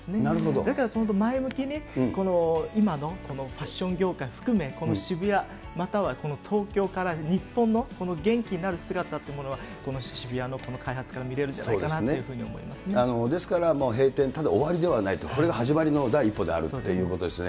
だから前向きに、今のこのファッション業界含め、この渋谷、またはこの東京から日本の、この元気のある姿っていうのはこの渋谷の開発から見れるんじゃなですから、閉店、ただ終わりではないと、これが始まりの第一歩であるということですね。